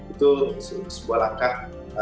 itu sebuah langkah